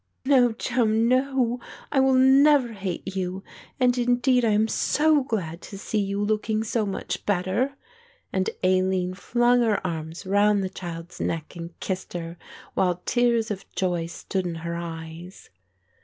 "No, Joan, no, I will never hate you and indeed I am so glad to see you looking so much better"; and Aline flung her arms round the child's neck and kissed her, while tears of joy stood in her eyes.